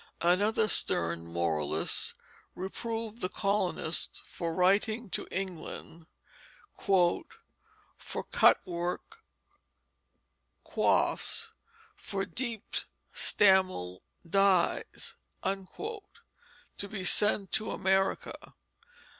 Another stern moralist reproved the colonists for writing to England "for cut work coifes, for deep stammel dyes," to be sent to them in America.